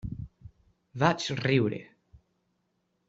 Vaig riure.